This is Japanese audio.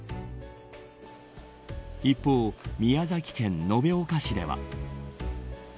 一方、宮崎県延岡市では。